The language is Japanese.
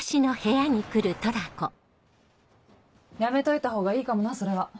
やめといたほうがいいかもなそれは。